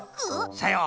さよう！